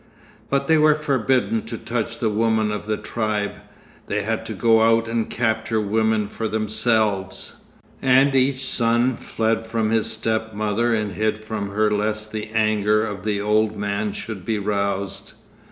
(But they were forbidden to touch the women of the tribe, they had to go out and capture women for themselves, and each son fled from his stepmother and hid from her lest the anger of the Old Man should be roused.